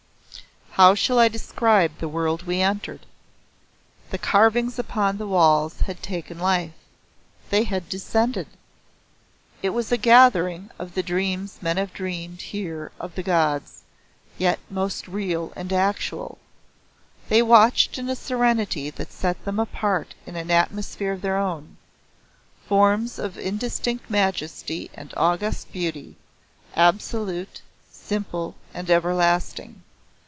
How shall I describe the world we entered? The carvings upon the walls had taken life they had descended. It was a gathering of the dreams men have dreamed here of the Gods, yet most real and actual. They watched in a serenity that set them apart in an atmosphere of their own forms of indistinct majesty and august beauty, absolute, simple, and everlasting.